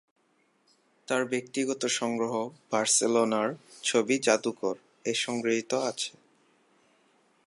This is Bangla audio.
তার ব্যক্তিগত সংগ্রহ বার্সেলোনার ছবি জাদুঘর-এ সংগৃহীত আছে।